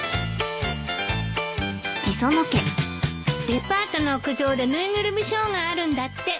デパートの屋上でぬいぐるみショーがあるんだって。